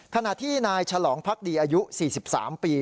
ขณะที่นายฉลองพักดีอายุ๔๓ปี